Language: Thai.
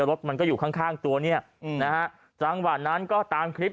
รถมันก็อยู่ข้างข้างตัวเนี่ยนะฮะจังหวะนั้นก็ตามคลิป